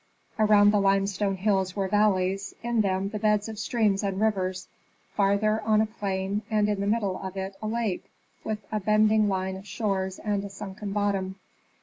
Around the limestone hills were valleys, in them the beds of streams and rivers, farther on a plain, and in the middle of it a lake with a bending line of shores and a sunken bottom.